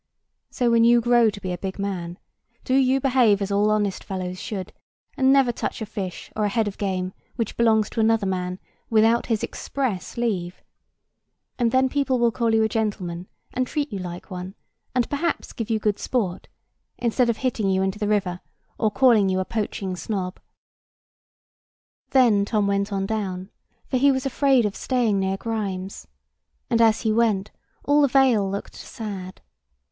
So when you grow to be a big man, do you behave as all honest fellows should; and never touch a fish or a head of game which belongs to another man without his express leave; and then people will call you a gentleman, and treat you like one; and perhaps give you good sport: instead of hitting you into the river, or calling you a poaching snob. Then Tom went on down, for he was afraid of staying near Grimes: and as he went, all the vale looked sad.